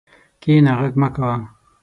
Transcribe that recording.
کښېنه، غږ مه کوه.